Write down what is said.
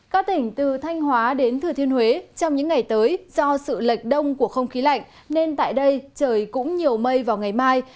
các tỉnh từ thanh hóa đến thừa thiên huế trong những ngày tới do sự lệch đông của không khí lạnh nên tại đây trời cũng nhiều mây vào ngày mai